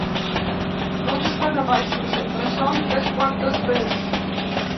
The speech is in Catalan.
Consta de baixos, entresòl i tres plantes més.